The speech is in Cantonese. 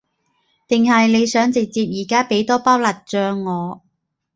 定係你想直接而家畀多包辣醬我？